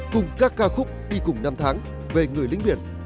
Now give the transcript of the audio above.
cùng các ca khúc đi cùng năm tháng về người lính biển